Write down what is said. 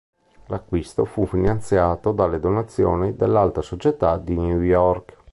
L'acquisto fu finanziato dalle donazioni dell'alta società di New York.